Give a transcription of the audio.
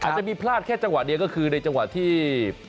จะมีพลาดแค่จังหวะเดียวก็คือในจังหวะที่